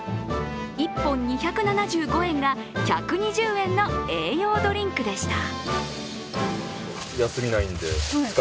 １本２７５円が１２０円の栄養ドリンクでした。